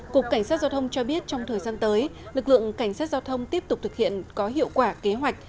cục cảnh sát giao thông cho biết trong thời gian tới lực lượng cảnh sát giao thông tiếp tục thực hiện có hiệu quả kế hoạch